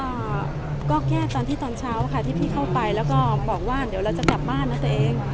ก็ก็แก้ตอนที่ตอนเช้าค่ะที่พี่เข้าไปแล้วก็บอกว่าเดี๋ยวเราจะกลับบ้านนะตัวเอง